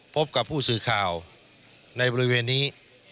พบกับผู้สื่อข่าวในบริเวณนี้